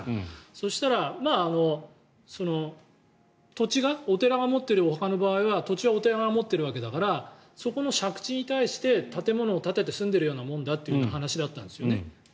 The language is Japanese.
そしたら土地がお寺が持っているお墓の場合は土地はお寺が持っているわけだからそこの借地に対して建物を建てて住んでるようなものという話だったんですよね。